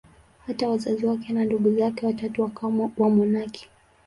Hata wazazi wake na ndugu zake watatu wakawa wamonaki.